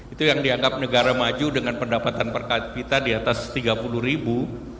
itu yang dianggap negara maju dengan pendapatan per kapita di atas tiga puluh ribu